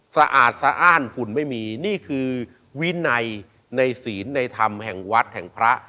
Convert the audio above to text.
สะอาดสะอ้านฝุ่นไม่มีนี่คือวินัยในศีลในธรรมแห่งวัดแห่งพระ